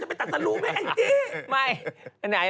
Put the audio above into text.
แล้วมีลูกสาวเลยเป็นตุ๊ดขึ้นทุกวัน